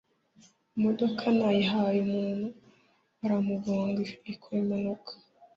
imodoka nayihaye umuntu baramugonga ikora impanuka